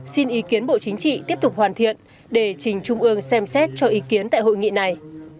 xin ý kiến bộ chính trị tiếp tục hoàn thiện để trình trung ương xem xét cho ý kiến tại hội nghị này